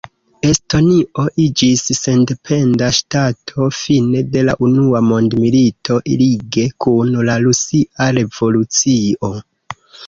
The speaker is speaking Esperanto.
Estonio iĝis sendependa ŝtato fine de la unua mondmilito, lige kun la Rusia revolucio.